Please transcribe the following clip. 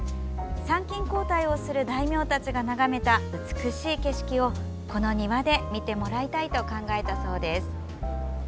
参勤交代をする大名たちが眺めた美しい景色をこの庭で見てもらいたいと考えたそうです。